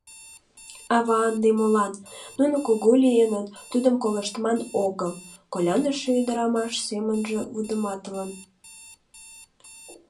«Ава ынде молан, нуно кугу лийыныт, тудым колыштман огыл», — коляныше ӱдырамаш семынже вудыматылын.